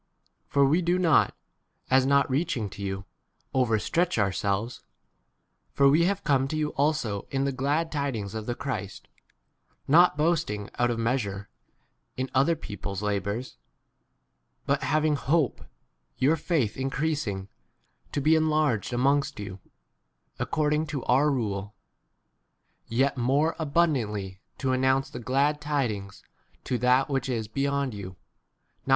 For we do not, as not reaching to you, over stretch ourselves, (for we have come to you also in the glad 15 tidings of the Christ ;) not boast ing out of measure in other people's labours, but having hope, your faith increasing, to be enlarged amongst you, according to our rule, yet more abundantly 14, viii. 17, 21, Rom. iii. 11, Mark iv. 12, Matt xiii. 13, Rom.